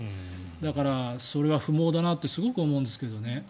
だから、それは不毛だなとすごく思うんですけどね。